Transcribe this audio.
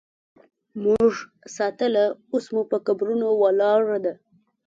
مونږ ساتله اوس مو په قبرو ولاړه ده